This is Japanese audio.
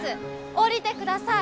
下りてください！